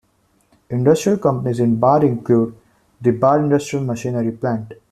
Industrial companies in Bar include the Bar Industrial Machinery Plant.